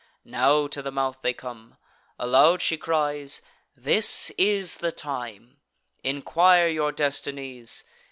Now to the mouth they come. Aloud she cries: "This is the time; enquire your destinies.